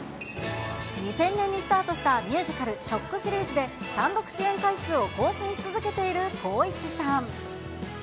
２０００年にスタートした、ミュージカル、ＳＨＯＣＫシリーズで単独主演回数を更新し続けている光一さん。